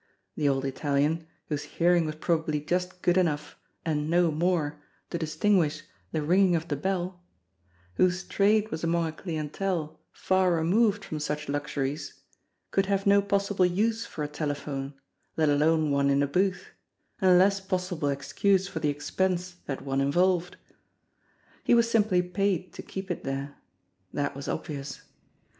The old Italian, whose hearing was probably just good enough and no more to distinguish the ringing of the bell, whose trade was among a clientele far removed from such luxuries, could have no possible use for a telephone, let alone one in a booth, and less possible excuse for the expense that one involved. He was simply paid to keep it there. That was obvious.